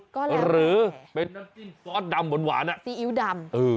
หรือเป็นน้ำจิ้มซอสดำหวานซีอิ๊วดำ